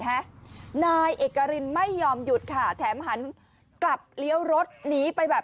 ฮะนายเอกรินไม่ยอมหยุดค่ะแถมหันกลับเลี้ยวรถหนีไปแบบ